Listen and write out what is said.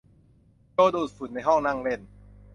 โจดูดฝุ่นในห้องนั่งเล่น